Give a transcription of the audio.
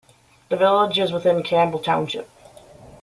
The village is within Campbell Township.